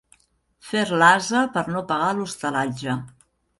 Fer l'ase per no pagar l'hostalatge.